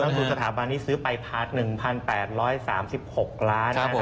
นักคลุมสถาบันซึ้อไป๑๘๓๖ล้านนะครับ